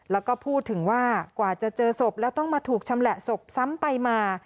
แล้วก็พูดถึงว่ากว่าจะเจอศพแล้วต้องมาถูกชำแหละศพซ้ำไปมา